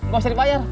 gak usah dibayar